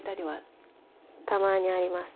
たまにあります。